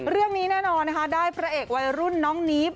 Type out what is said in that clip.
เรื่องนี้แน่นอนนะคะได้พระเอกวัยรุ่นน้องนีฟ